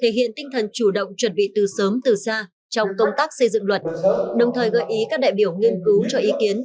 thể hiện tinh thần chủ động chuẩn bị từ sớm từ xa trong công tác xây dựng luật đồng thời gợi ý các đại biểu nghiên cứu cho ý kiến